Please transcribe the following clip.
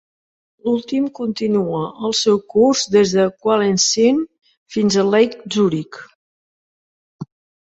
L'últim continua el seu curs des de Walenseen fins a Lake Zurich.